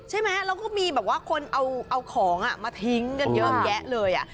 ใช่ไหมแล้วก็มีแบบว่าคนเอาของมาทิ้งกันเยอะแยะเลย